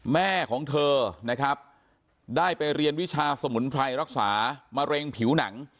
แม่ของเธอนะครับได้ไปเรียนวิชาสมุนไพรรักษามะเร็งผิวหนัง